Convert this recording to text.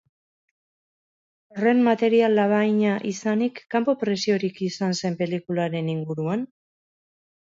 Horren material labaina izanik, kanpo presiorik izan zen pelikularen inguruan?